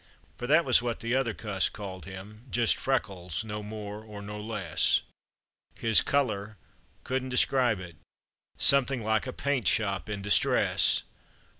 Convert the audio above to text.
For that was what the other cuss called him, just Freckles, no more or no less, His color, couldn't describe it, something like a paint shop in distress.